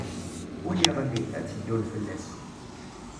Win iɣlin, ad tt-ddun fell-as.